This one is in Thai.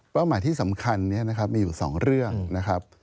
เป้าหมายที่สำคัญมีอยู่สองเรื่องนะครับ